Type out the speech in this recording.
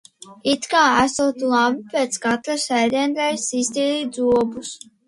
It kā esot labi pēc katras ēdienreizes iztīrīt zobus.